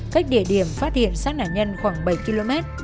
cách địa điểm phát hiện sát nạn nhân khoảng bảy km